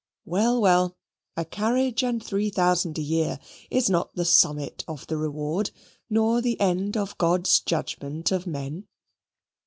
Well, well a carriage and three thousand a year is not the summit of the reward nor the end of God's judgment of men.